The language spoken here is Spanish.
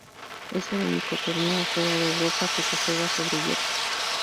Es el único torneo fuera de Europa que se juega sobre hierba.